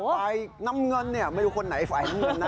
ปลายน้ำเงินไม่รู้คนไหนฝ่ายน้ำเงินน่ะ